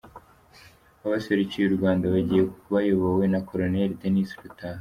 Abaserukiye u Rwanda bagiye bayobowe na Col Denis Rutaha.